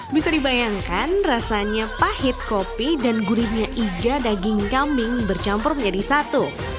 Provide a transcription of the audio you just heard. bisa dibayangkan rasanya pahit kopi dan gurihnya iga daging kambing bercampur menjadi satu